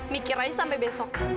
mikir aja sampai besok